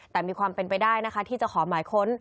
แต่มีความเป็นไปได้นะคะที่จะขอหมายค้น